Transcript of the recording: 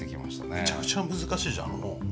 めちゃくちゃ難しいじゃんあの本。